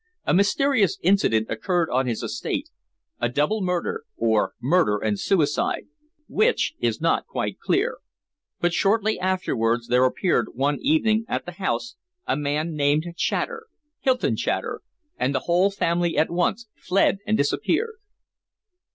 A mysterious incident occurred on his estate a double murder, or murder and suicide; which is not quite clear but shortly afterwards there appeared one evening at the house a man named Chater, Hylton Chater, and the whole family at once fled and disappeared."